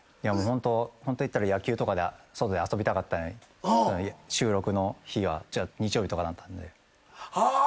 ホント言ったら野球とか外で遊びたかったのに収録の日は日曜日とかだったんで。ああ。